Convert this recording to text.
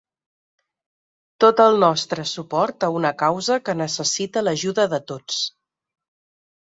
Tot el nostre suport a una causa que necessita l'ajuda de tots.